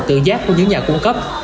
tự giác của những nhà cung cấp